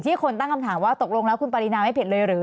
คนตั้งคำถามว่าตกลงแล้วคุณปรินาไม่ผิดเลยหรือ